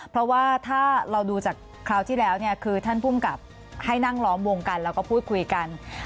เพราะว่าถ้าเราดูจากคราวที่แล้วเนี่ยคือท่านภูมิกับให้นั่งล้อมวงกันแล้วก็พูดคุยกัน